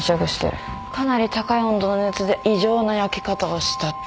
かなり高い温度の熱で異常な焼け方をしたってこと。